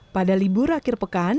pada libur akhir pekan